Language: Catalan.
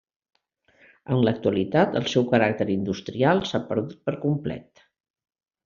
En l'actualitat el seu caràcter industrial s'ha perdut per complet.